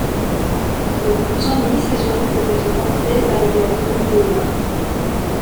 Le blouson mi-saison peut être porté avec la tenue d'honneur.